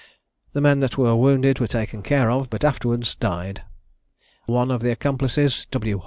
The men that were wounded were taken care of, but afterwards died. One of the accomplices, W.